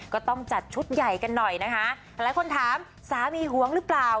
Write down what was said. ก็ต้องจัดชุดใหญ่กันหน่อยนะคะหลายคนถามสามีหวงหรือเปล่า